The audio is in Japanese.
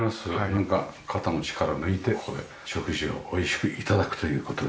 なんか肩の力を抜いてここで食事をおいしく頂くという事ですよね。